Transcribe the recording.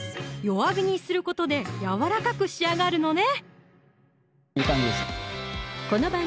弱火にすることで柔らかく仕上がるのね